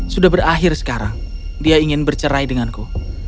sudah berakhir sekarang dia ingin bercerai denganku